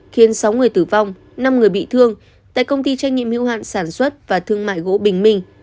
khiến sáu người tử vong năm người bị thương tại công ty trách nhiệm hữu hạn sản xuất và thương mại gỗ bình minh